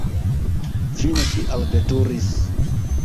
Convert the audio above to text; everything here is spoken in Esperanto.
Fine ŝi alveturis.